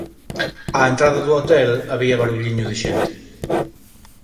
Á entrada do hotel había barulliño de xente.